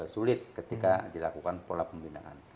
sulit ketika dilakukan pola pembinaan